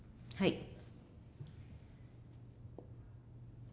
はい。